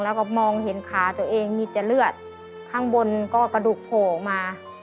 แล้วก็มองเห็นขาตัวเองมีแต่เลือดข้างบนก็กระดูกโผล่ออกมา